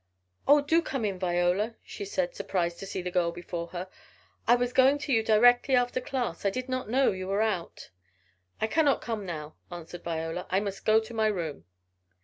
"Oh, do come in Viola," she said, surprised to see the girl before her. "I was going to you directly after class I did not know you were out." "I cannot come now," answered Viola. "I must go to my room!"